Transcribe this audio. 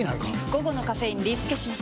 午後のカフェインリスケします！